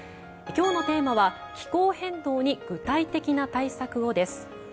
今日のテーマは「気候変動に具体的な対策を」。